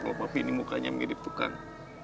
kalau bapi ini mukanya mirip tukang